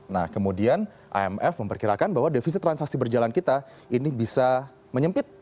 nah kemudian imf memperkirakan bahwa defisit transaksi berjalan kita ini bisa menyempit